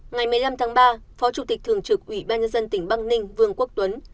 ngày một mươi năm tháng ba phó chủ tịch thường trực ủy ban nhân dân tỉnh băng ninh vương quốc tuấn